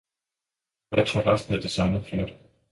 Det matcher resten af designet flot.